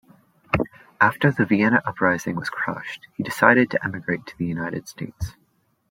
After the Vienna Uprising was crushed, he decided to emigrate to the United States.